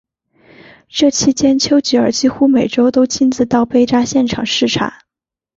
这期间丘吉尔几乎每周都亲自到被炸现场视察。